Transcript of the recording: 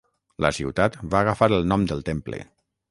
La ciutat va agafar el nom del temple.